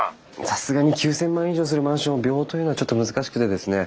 さすがに９，０００万以上するマンションを秒というのはちょっと難しくてですね